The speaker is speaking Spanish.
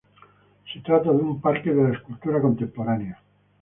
Se trata de un parque de la escultura contemporánea.